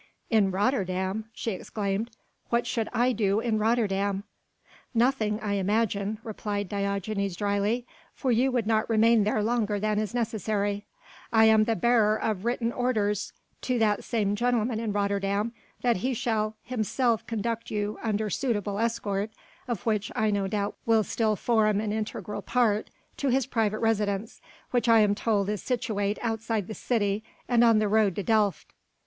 "In Rotterdam?" she exclaimed, "what should I do in Rotterdam?" "Nothing, I imagine," replied Diogenes dryly, "for you would not remain there longer than is necessary. I am the bearer of written orders to that same gentleman in Rotterdam that he shall himself conduct you under suitable escort of which I no doubt will still form an integral part to his private residence, which I am told is situate outside the city and on the road to Delft."